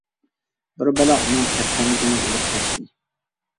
بىر بالا ئۇنىڭ تەرخەمىكىنى ئېلىپ قاچتى.